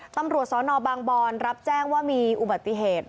ตำรวจสนบางบอนรับแจ้งว่ามีอุบัติเหตุ